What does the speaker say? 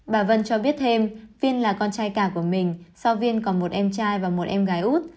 bà vân cho biết thêm viên là con trai cả của mình so viên có một em trai và một em gái út